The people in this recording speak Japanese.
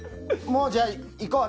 もうじゃあ、いこう。